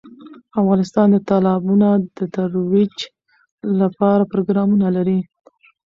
افغانستان د تالابونه د ترویج لپاره پروګرامونه لري.